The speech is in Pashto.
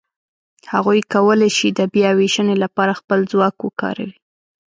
هغوی کولای شي د بیاوېشنې لهپاره خپل ځواک وکاروي.